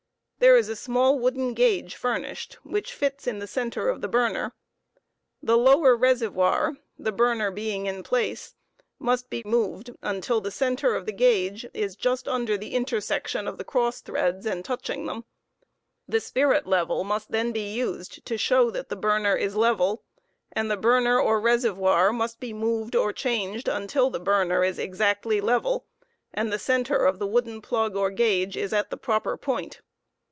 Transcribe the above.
There is a small wooden gauge furnished which fits m the center of the burner? the lower reservoir (the burner being in place) must be moved until the centerof the gauge is just under the intersection of the cross threads ami touching t hew. The spirit level must then be used to show that the burner is level, and .the burner or reservoir must be moved or changed until the burner is exactly level and tlx* center of the wooden plug or gauge is at the proper point.